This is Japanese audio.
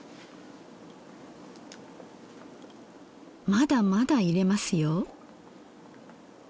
まだまだ入れますよ。